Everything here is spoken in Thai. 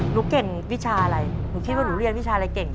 หนูเก่งวิชาอะไรหนูคิดว่าหนูเรียนวิชาอะไรเก่ง